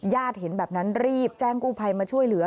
เห็นแบบนั้นรีบแจ้งกู้ภัยมาช่วยเหลือ